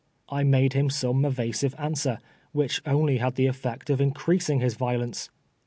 1 made him some evasive au'swcr, wliicli only had tlio ett'ect of increasinu' his violence.